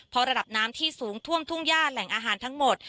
เพราะระดับน้ำที่สูงท่วมทุ่งย่าแหล่งอาหารทั้งหมด